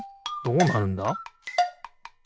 どうなるんだ？